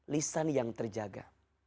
lisan yang terjaga